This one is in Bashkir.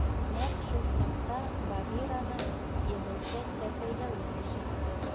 Нәҡ шул саҡта Багираның еңелсә тәпәйләүен ишетте.